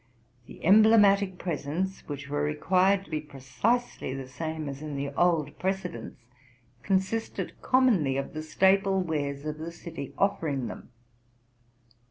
The emblematic presents, which were required to be precisely the same as in the old precedents, consisted commonly of the staple wares of the city offering them.